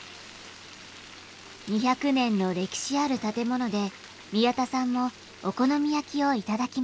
２００年の歴史ある建物で宮田さんもお好み焼きを頂きます。